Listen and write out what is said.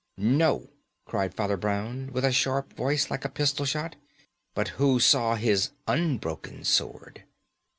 "No," cried Father Brown, with a sharp voice like a pistol shot; "but who saw his unbroken sword?"